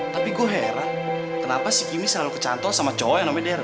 tapi gue heran kenapa si kimmy selalu kecantol sama cowok yang namanya dern